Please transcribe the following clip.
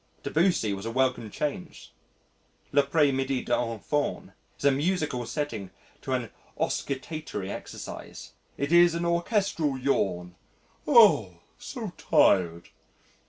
Debussy was a welcome change. "L'Après midi d'un Faun" is a musical setting to an oscitatory exercise. It is an orchestral yawn. Oh! so tired!